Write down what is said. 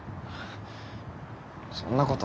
そんなこと。